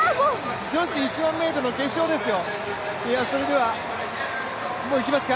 女子１００００ｍの決勝ですよ。